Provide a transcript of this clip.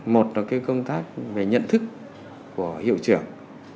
một là công tác về nhận thức của hiệu trưởng